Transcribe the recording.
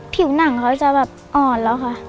ผิวหนังเขาจะแบบอ่อนแล้วค่ะ